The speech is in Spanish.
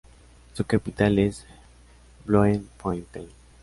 Su capital es Bloemfontein.